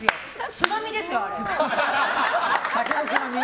つまみですよ、あれ。